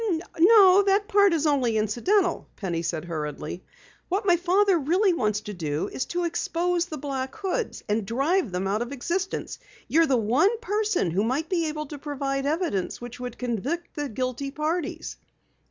"No, that part is only incidental," Penny said hurriedly. "What my father really wants to do is to expose the Black Hoods and drive them out of existence. You're the one person who might be able to provide evidence which would convict the guilty parties."